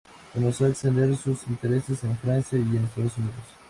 Comenzó a extender sus intereses en Francia y en Estados Unidos.